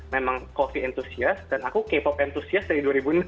memang coffee entusias dan aku k pop entusias dari dua ribu enam belas